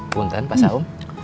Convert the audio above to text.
bukankah pak saung